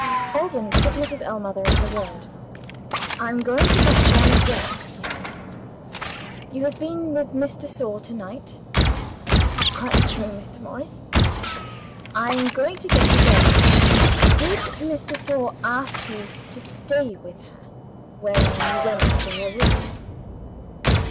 Alban took Mrs. Ellmother at her word. "I am going to venture on a guess," he said. "You have been with Miss de Sor to night." "Quite true, Mr. Morris." "I am going to guess again. Did Miss de Sor ask you to stay with her, when you went into her room?"